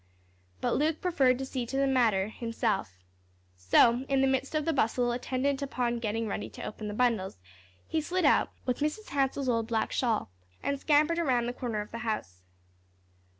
But Luke preferred to see to the matter himself. So, in the midst of the bustle attendant upon getting ready to open the bundles, he slid out, with Mrs. Hansell's old black shawl, and scampered around the corner of the house.